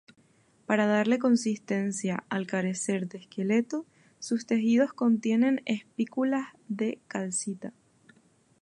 Para darle consistencia, al carecer de esqueleto, sus tejidos contienen espículas de calcita.